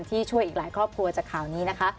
ช่วยอีกหลายครอบครัวจากข่าวนี้นะคะ